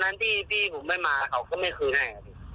สถาปรูปผมเก่า